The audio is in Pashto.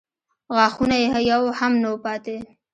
غاښونه یې يو هم نه و پاتې.